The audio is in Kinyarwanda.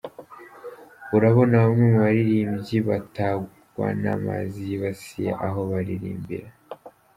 Urabona bamwe mu baririmvyi batwagwa n'amazi yibasiye aho baririmbira.